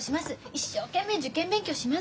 一生懸命受験勉強します。